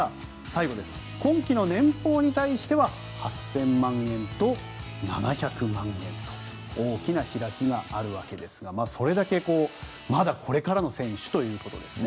今季の年俸に対しては８０００万円と７００万円と大きな開きがあるわけですがそれだけまだこれからの選手ということですね。